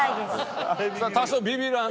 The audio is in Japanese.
多少ビビらんと。